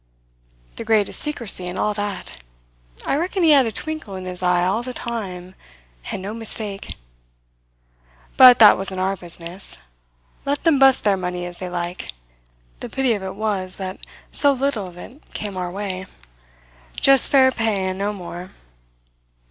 The greatest secrecy and all that. I reckon he had a twinkle in his eye all the time and no mistake. But that wasn't our business. Let them bust their money as they like. The pity of it was that so little of it came our way. Just fair pay and no more.